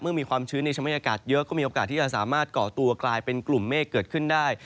มีความชื้นในสมัยอากาศเยอะก็มีโอกาสที่จะสามารถก่อตัวกลายเป็นกลุ่มเมฆเกิดขึ้นได้